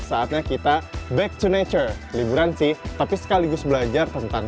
saatnya kita back to nature liburan sih tapi sekaligus belajar tentang